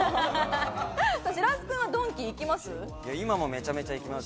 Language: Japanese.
白洲君はドンキ行きます？